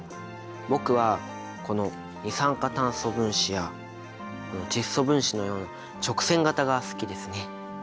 僕はこの二酸化炭素分子や窒素分子のような直線形が好きですね。